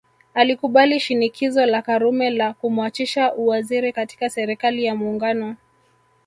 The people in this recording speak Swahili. Alikubali shinikizo la Karume la kumwachisha uwaziri katika Serikali ya Muungano